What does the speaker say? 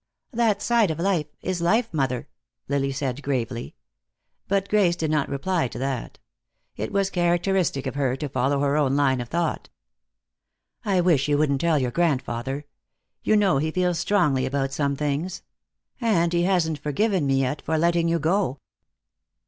"That side of life is life, mother," Lily said gravely. But Grace did not reply to that. It was characteristic of her to follow her own line of thought. "I wish you wouldn't tell your grandfather. You know he feels strongly about some things. And he hasn't forgiven me yet for letting you go."